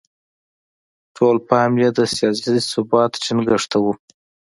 ټول پام یې د سیاسي ثبات ټینګښت ته و.